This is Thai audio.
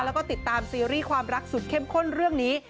แล้วก็ติดตามซีรีส์ความรักสุดเข้มข้นเรื่องนี้